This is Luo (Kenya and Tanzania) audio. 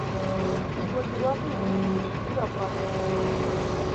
Puonjruokni biro konyogi